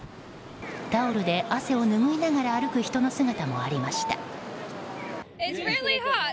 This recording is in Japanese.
タオルで汗を拭いながら歩く人の姿もありました。